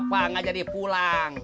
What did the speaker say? bapak nggak jadi pulang